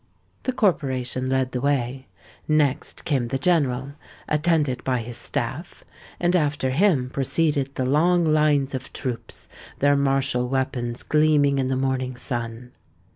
The corporation led the way: next came the General, attended by his staff; and after him proceeded the long lines of troops, their martial weapons gleaming in the morning sun.